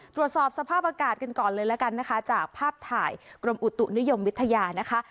ตรวจสอบสภาพอากาศกันก่อนเลยแล้วกันนะคะจากภาพถ่ายกรมอุตุนิยมวิทยานะคะ